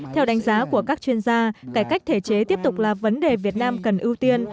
theo đánh giá của các chuyên gia cải cách thể chế tiếp tục là vấn đề việt nam cần ưu tiên